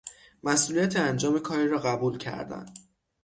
مسئولیت انجام کاری را قبول کردن